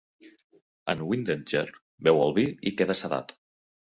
En Windedgger beu el vi i queda sedat.